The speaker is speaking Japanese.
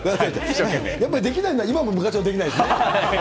やっぱりできないのは今も昔もできないですね。